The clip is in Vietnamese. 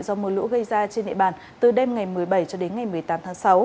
do mưa lũ gây ra trên địa bàn từ đêm ngày một mươi bảy cho đến ngày một mươi tám tháng sáu